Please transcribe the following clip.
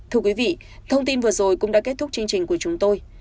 thưa quý vị thông tin vừa rồi cũng đã kết thúc chương trình của chúng tôi